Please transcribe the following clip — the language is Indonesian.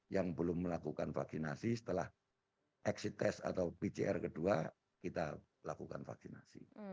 yang belum melakukan vaksinasi setelah exit test atau pcr kedua kita lakukan vaksinasi